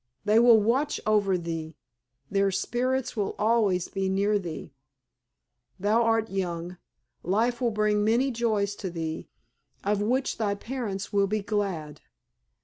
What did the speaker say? They will watch over thee. Their spirits will always be near thee. Thou art young, life will bring many joys to thee, of which thy parents will be glad.